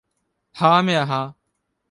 吓咩啊吓？